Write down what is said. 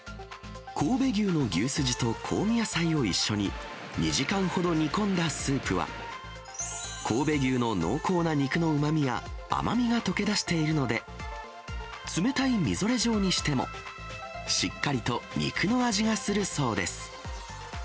神戸牛の牛すじと香味野菜を一緒に、２時間ほど煮込んだスープは、神戸牛の濃厚な肉のうまみや甘みが溶け出しているので、冷たいみぞれ状にしても、しっかりと肉の味がするそうです。